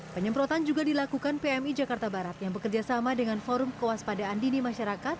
penyemprotan juga dilakukan pmi jakarta barat yang bekerja sama dengan forum kewaspadaan dini masyarakat